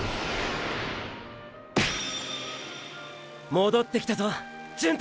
戻ってきたぞ純太！！